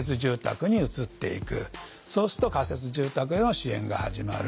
そうすると仮設住宅での支援が始まる。